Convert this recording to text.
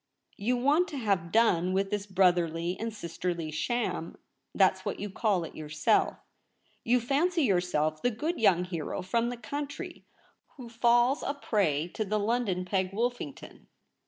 You want to have done with this brotherly and sisterly sham — that's what you call it yourself. You fancy yourself the good young hero from the country, who falls a prey to the London Peg Woffington.